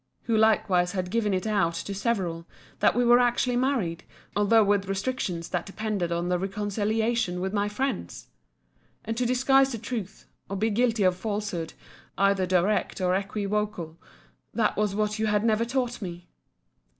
—Who likewise had given it out to several, that we were actually married, although with restrictions that depended on the reconciliation with my friends? And to disguise the truth, or be guilty of a falsehood, either direct or equivocal, that was what you had never taught me.